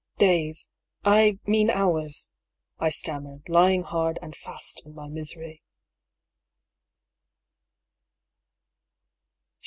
" Days — I mean hours," I stammered, lying hard and fast in my misery.